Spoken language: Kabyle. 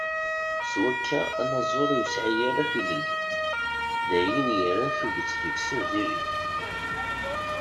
S wakka, anaẓur ur yesɛi ara tilelli, d ayen yerran tuget deg-sen di rrif.